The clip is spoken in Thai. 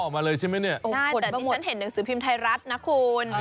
มาเลยใช่ไหมเนี่ยฉันเห็นหนังสือพิมพ์ไทยรัฐนะคุณ